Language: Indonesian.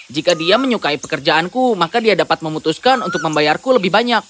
jika dia menyukai pekerjaanku maka dia dapat memutuskan untuk membayarku lebih banyak